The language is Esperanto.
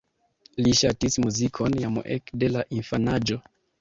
Li ŝatis muzikon jam ekde la infanaĝo.